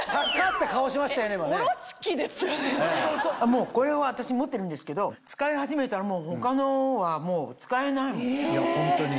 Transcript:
もうこれは私持ってるんですけど使い始めたら他のはもう使えないもん。え！